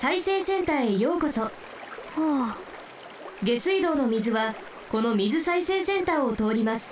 下水道の水はこの水再生センターをとおります。